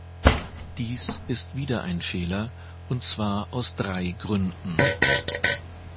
Dies ist wieder ein Fehler, und zwar aus drei Gründen.